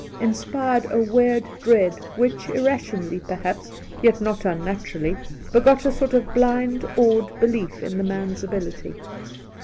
in spired a weird dread which, irrationally, perhaps, yet not unnaturally, begot a sort of blind awed belief in the man's ability.